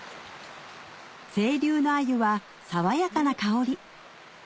清流のアユは爽やかな香り